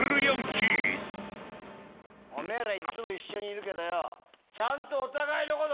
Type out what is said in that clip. おめぇらいつも一緒にいるけどちゃんとお互いのこと。